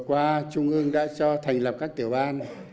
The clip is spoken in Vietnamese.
vừa qua trung ương đã cho thành lập các tiểu ban